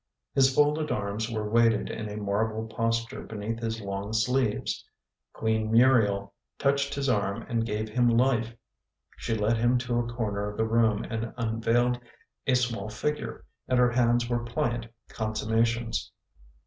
His folded arms were weighted in a marble posture beneath his long sleeves. Queen Muriel touched his arm and gave him life. She led him to a corner of the room and unveiled a small figure, and her hands were pliant consummations.